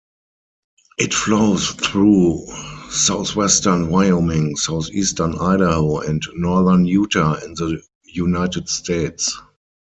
It flows through southwestern Wyoming, southeastern Idaho, and northern Utah, in the United States.